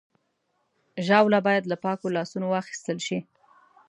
ژاوله باید له پاکو لاسونو واخیستل شي.